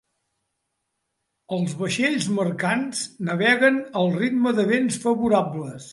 Els vaixells mercants navegaven al ritme de vents favorables.